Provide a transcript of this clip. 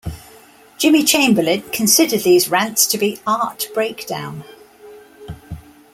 Jimmy Chamberlin considered these rants to be "art-breakdown".